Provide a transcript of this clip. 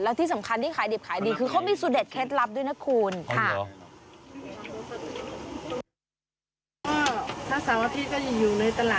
แล้วที่สำคัญที่ขายดิบขายดีคือเขามีสุดเด็ดเคล็ดลับด้วยนะคุณค่ะ